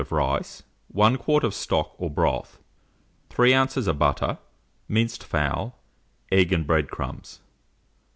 of rice, 1 quart of stock or broth, 3 oz. of butter, minced fowl, egg, and bread crumbs.